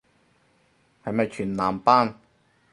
係咪全男班